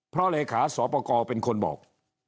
เพราะเลขาสอปกรเป็นคนบอก